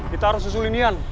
kita harus susulinian